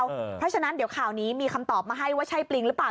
เพราะฉะนั้นเดี๋ยวข่าวนี้มีคำตอบมาให้ว่าใช่ปลิงหรือเปล่า